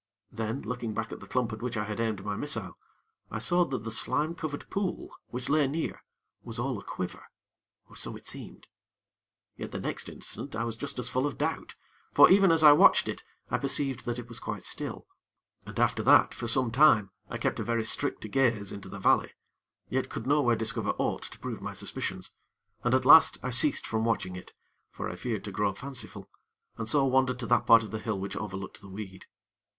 Then, looking back at the clump at which I had aimed my missile, I saw that the slime covered pool, which lay near, was all a quiver, or so it seemed. Yet the next instant I was just as full of doubt; for, even as I watched it, I perceived that it was quite still. And after that, for some time, I kept a very strict gaze into the valley; yet could nowhere discover aught to prove my suspicions, and, at last, I ceased from watching it; for I feared to grow fanciful, and so wandered to that part of the hill which overlooked the weed.